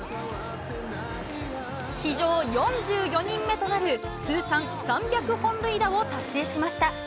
史上４４人目となる通算３００本塁打を達成しました。